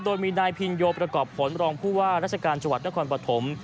โดยมีนายพินโยประกอบผลรองผู้ว่าราชการจังหวัดนครปฐม